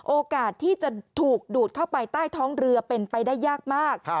โอกาสที่จะถูกดูดเข้าไปใต้ท้องเรือเป็นไปได้ยากมาก